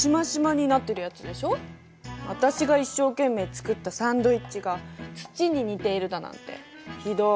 私が一生懸命作ったサンドイッチが土に似ているだなんてひどい！